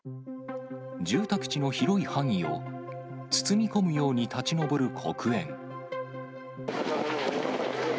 住宅地の広い範囲を、包み込むように立ち上る黒煙。